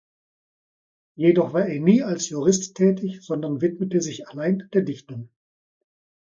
Jedoch war er nie als Jurist tätig, sondern widmete sich allein der Dichtung.